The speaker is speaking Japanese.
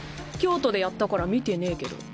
京都でやったから見てねぇけど。